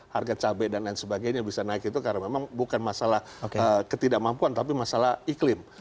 harga cabai dan lain sebagainya bisa naik itu karena memang bukan masalah ketidakmampuan tapi masalah iklim